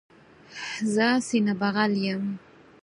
زه سینه بغل یم.